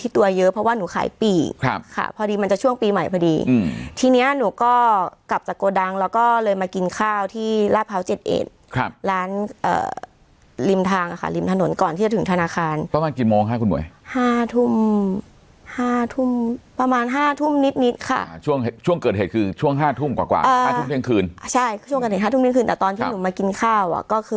ตัวเยอะเพราะว่าหนูขายปีครับค่ะพอดีมันจะช่วงปีใหม่พอดีอืมทีเนี้ยหนูก็กลับจากโกดังแล้วก็เลยมากินข้าวที่ลาภาวเจ็ดเอ็ดครับร้านเอ่อริมทางอ่ะค่ะริมถนนก่อนที่จะถึงธนาคารประมาณกินโมงค่ะคุณหมวยห้าทุ่มห้าทุ่มประมาณห้าทุ่มนิดนิดค่ะช่วงช่วงเกิดเหตุคือช่วงห้าทุ่มกว